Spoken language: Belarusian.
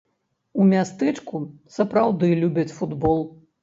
У мястэчку сапраўды любяць футбол.